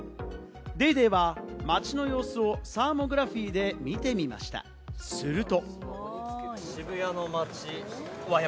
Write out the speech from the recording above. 『ＤａｙＤａｙ．』は街の様子をサーモグラフィーで見てみました、すると。